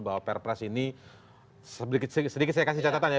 bahwa perpres ini sedikit saya kasih catatan ya